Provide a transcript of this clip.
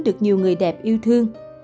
được nhiều người đẹp yêu thương